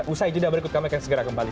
usai jeda berikut kami akan segera kembali